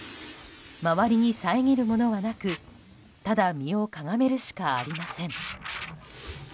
周りに遮るものはなく、ただ身をかがめるしかありません。